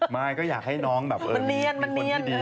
ไม่ก็อยากให้น้องมีคนดีอะไรอย่างนี้